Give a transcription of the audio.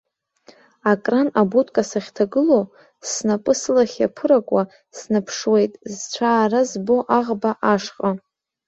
Акран абудка сахьҭагылоу, снапы сылахь иаԥыракуа, снаԥшуеит, зцәаара збо аӷба ашҟа.